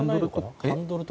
ハンドル。